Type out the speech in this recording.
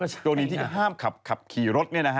ตรงนี้ที่ห้ามขับขับขี่รถ